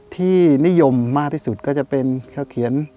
ที่นิยมมากที่สุดก็จะเป็นข้าวเขียน